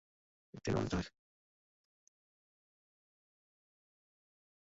কিন্তু দুর্নীতি দমন কমিশনের তদন্তে বিশ্বব্যাংকের সেই অভিযোগ ভিত্তিহীন প্রমাণিত হয়।